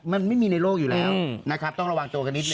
มันไม่มีในโลกอยู่แล้วนะครับต้องระวังตัวกันนิดนึ